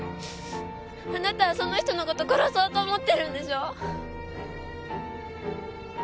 あなたはその人のこと殺そうと思ってるんでしょ？